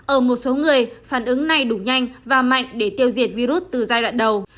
ở một số người phản ứng này đủ nhanh và mạnh để tiêu diệt virus từ giai đoạn đầu